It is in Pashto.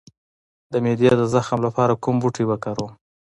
د معدې د زخم لپاره کوم بوټی وکاروم؟